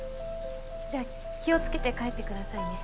じゃあ気を付けて帰ってくださいね。